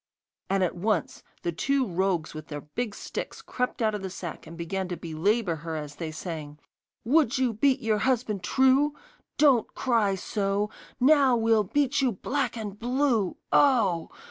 And at once the two rogues with their big sticks crept out of the sack, and began to belabour her as they sang: 'Would you beat your husband true? Don't cry so! Now we'll beat you black and blue! Oh!